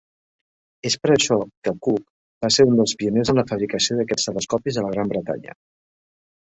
És per això que Cooke va ser un dels pioners en la fabricació d'aquests telescopis a la Gran Bretanya.